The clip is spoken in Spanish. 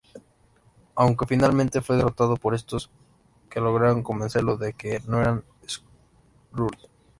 Aunque finalmente fue derrotado por estos, que lograron convencerlo de que no eran skrulls.